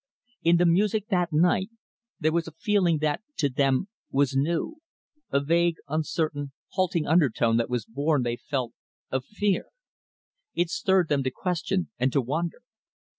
In the music, that night, there was a feeling that, to them, was new a vague, uncertain, halting undertone that was born, they felt, of fear. It stirred them to question and to wonder.